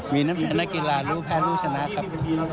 มีน้ำแสนากีฬารู้แพ้รู้ชนะครับ